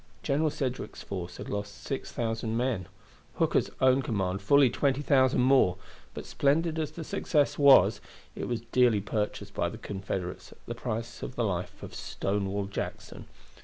General Sedgwick's force had lost 6,000 men, Hooker's own command fully 20,000 more; but splendid as the success was, it was dearly purchased by the Confederates at the price of the life of Stonewall Jackson.